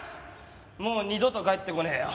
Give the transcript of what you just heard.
もう二度と帰ってこねえよ。